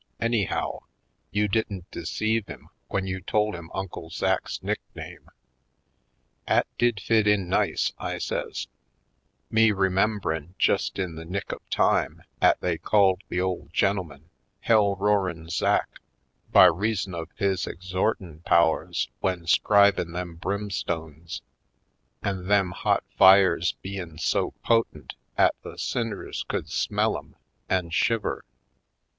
Anyhow, you didn't de ceive him when you told him Uncle Zach's nickname." " 'At did fit in nice," I says; "me remem b'rin', jest in the nick of time, 'at they called the ole gen'elman Hell Roarin' Zach by reason of his exhortin' powers w'en 'scribin* them brimstones an' them hot fires bein' so potent 'at the sinners could smell 'em an' shiver.